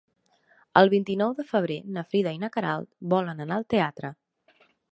El vint-i-nou de febrer na Frida i na Queralt volen anar al teatre.